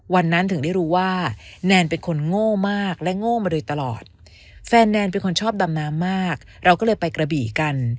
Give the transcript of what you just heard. วันนั้นถึงได้รู้ว่าแนนเป็นคนโง่มากและโง่มาโดยตลอดแฟนแนนเป็นคนชอบดำน้ำมากเราก็เลยไปกระบี่กัน